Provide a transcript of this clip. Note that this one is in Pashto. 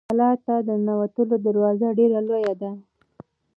کلا ته د ننوتلو دروازه ډېره لویه ده.